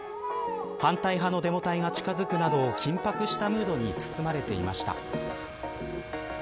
反対派のデモ隊が近づくなど緊迫したムードに包まれていました。